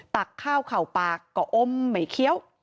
ตักข้าวเข่าปากก็อมไม่เคี้ยว